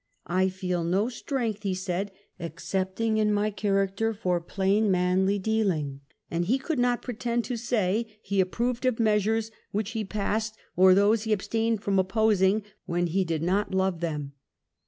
" I feel no strength," he said, "excepting in my character for plain manly deal ing ;" and he could not pretend to say he approved of measures which he passed, or those he abstained from opposing, when he did not love them.